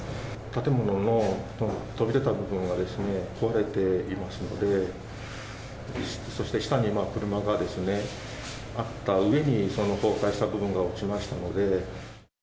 建物の飛び出た部分が壊れていますので、そして下に車があったうえに、崩壊した部分が落ちましたので。